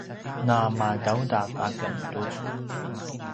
namadaudav aken tucu